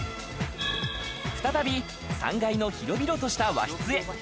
再び３階の広々とした和室へ。